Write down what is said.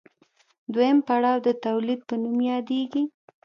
دویم پړاو د تولید په نوم یادېږي